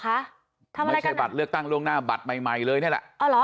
ไม่ใช่บัตรเลือกตั้งล่วงหน้าบัตรใหม่ใหม่เลยนี่แหละ